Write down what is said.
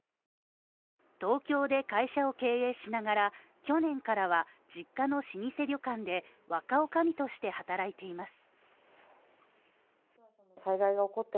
東京で会社を経営しながら、去年からは実家の老舗旅館で若おかみとして働いています。